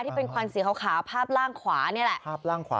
ที่เป็นควันสีขาวภาพล่างขวานี่แหละ